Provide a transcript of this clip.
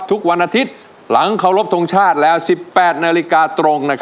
ทุกวันอาทิตย์หลังเคารพโทงชาติและ๑๘นตรง